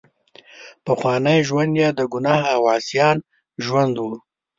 پخوانی ژوند یې د ګناه او عصیان ژوند وو.